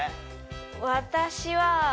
私は。